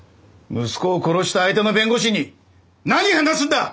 息子を殺した相手の弁護士に何話すんだ！